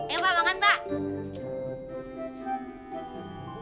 eh pak makan pak